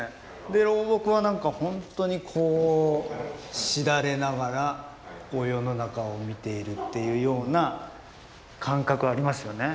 で老木はなんか本当にこうしだれながらこう世の中を見ているっていうような感覚ありますよね。